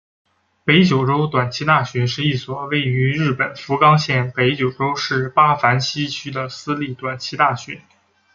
北九州短期大学是一所位于日本福冈县北九州市八幡西区的私立短期大学。